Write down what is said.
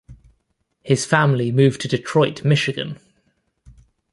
His family moved to Detroit, Michigan.